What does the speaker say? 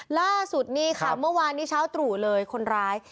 ล่าสุดนี่ค่ะเมื่อวานนี้เช้าตรู่เลยคนร้าย